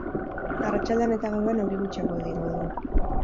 Arratsaldean eta gauean euri gutxiago egingo du.